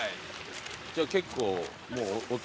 じゃあ結構もう大人。